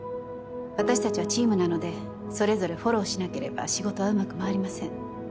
私たちはチームなのでそれぞれフォローしなければ仕事はうまく回りません。